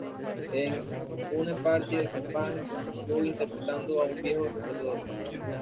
En "Une partie de campagne", actuó interpretando a un viejo sacerdote.